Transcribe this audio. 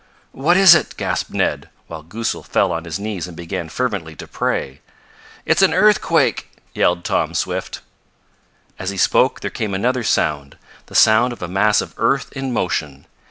"What is it?" gasped Ned, while Goosal fell on his knees and began fervently to pray. "It's an earthquake!" yelled Tom Swift. As he spoke there came another sound the sound of a mass of earth in motion.